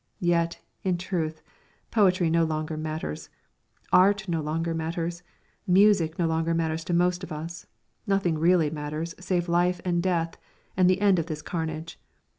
Yet, in truth, poetry no longer matters, art no longer matters, music no longer matters to most of us; nothing really matters save life and death and the end of this carnage.